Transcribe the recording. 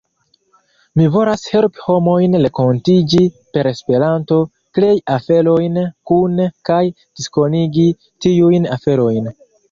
Mi volas helpi homojn renkontiĝi per Esperanto, krei aferojn kune, kaj diskonigi tiujn aferojn.